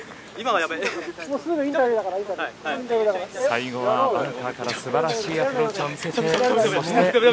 最後はバンカーから素晴らしいアプローチを見せてそして。